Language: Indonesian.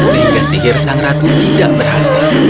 sehingga sihir sang ratu tidak berhasil